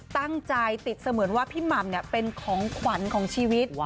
ตั้งใจติดเสมือนว่าพี่หม่ำเป็นของขวัญของชีวิต